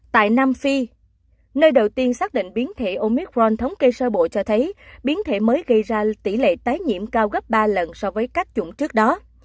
tại nam phi nơi đầu tiên xác định biến thể omicron thống kê sơ bộ cho thấy biến thể mới gây ra tỷ lệ tái nhiễm cao gấp ba lần so với cách chuẩn trước đó